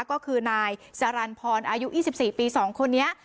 ก็คือนายสรรพรอายุอี่สิบสี่ปีสองคนนี้